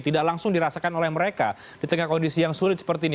tidak langsung dirasakan oleh mereka di tengah kondisi yang sulit seperti ini